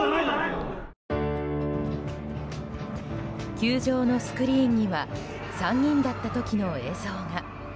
球場のスクリーンには３人だった時の映像が。